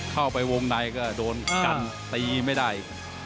เข้าไปวงในก็โดนกันตีไม่ได้